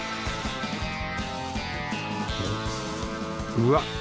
うわっ！